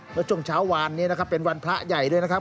แล้วช่วงเช้าวานนี้เป็นวันพระใหญ่ด้วยครับ